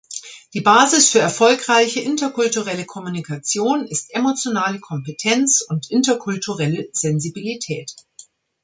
Die Basis für erfolgreiche interkulturelle Kommunikation ist emotionale Kompetenz und interkulturelle Sensibilität.